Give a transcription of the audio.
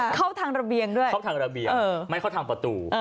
เข้าทางระเบียงด้วยเข้าทางระเบียงไม่เข้าทางประตู